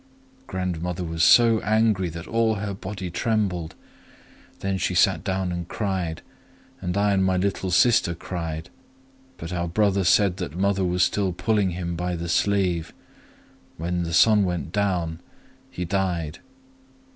Grandmother was so angry that all her body trembled. Then she sat down and cried; and I and my little sister cried. But our brother said that mother was still pulling him by the sleeve. When the sun went down, he died.